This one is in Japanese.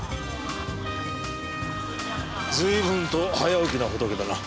随分と早起きなホトケだな。